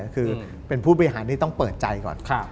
คือเป็นผู้บริหารที่ต้องเปิดใจก่อน